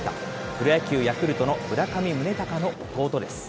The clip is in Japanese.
プロ野球・ヤクルトの村上宗隆の弟です。